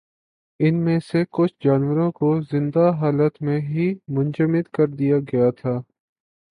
ان میں سے کچھ جانوروں کو زندہ حالت میں ہی منجمد کردیا گیا تھا۔